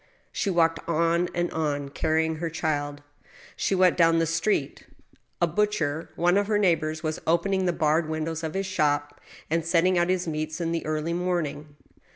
She walked on, and on, carrying her child. She went down the street. A butcher, one of her neighbors, was opening the barred windows of his shop, and setting out his meats in the early morning.